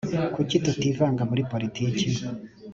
kuki tutivanga muri politiki?